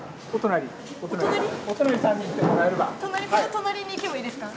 隣に行けばいいですか？